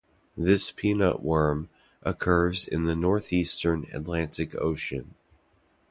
This peanut worm occurs in the northeastern Atlantic Ocean.